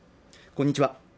こんにちは